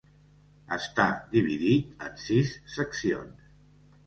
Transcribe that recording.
Està dividit en sis seccions.